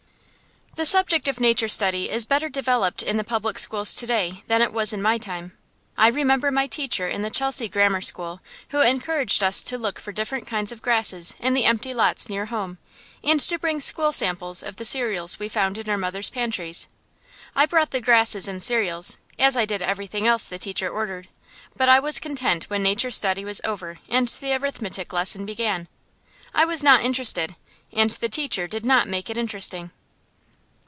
The subject of nature study is better developed in the public schools to day than it was in my time. I remember my teacher in the Chelsea grammar school who encouraged us to look for different kinds of grasses in the empty lots near home, and to bring to school samples of the cereals we found in our mothers' pantries. I brought the grasses and cereals, as I did everything the teacher ordered, but I was content when nature study was over and the arithmetic lesson began. I was not interested, and the teacher did not make it interesting.